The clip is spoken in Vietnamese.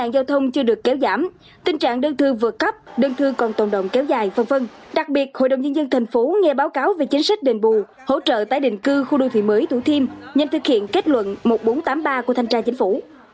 tình trạng đơn thư vượt cấp đơn thương còn tồn động kéo dài v v đặc biệt hội đồng nhân dân thành phố nghe báo cáo về chính sách đền bù hỗ trợ tái định cư khu đô thị mới thủ thiêm nhằm thực hiện kết luận một nghìn bốn trăm tám mươi ba của thanh tra chính phủ